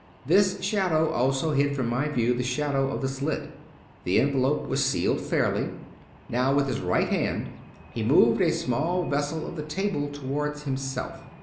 This shadow also hid from my view the shadow of the slit. The envelope was sealed fairly. Now with his right hand he moved a small vessel on 245 True Stories of Modern Magic the table toward himself.